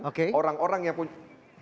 orang orang yang punya